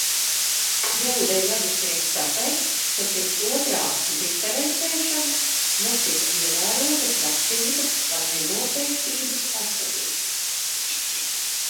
Kļūda ir radusies tāpēc, ka pirms otrās diferencēšanas netika ievērota prasība par nenoteiktības esamību.